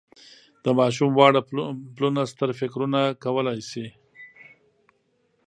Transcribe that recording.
د ماشوم واړه پلونه ستر فکرونه کولای شي.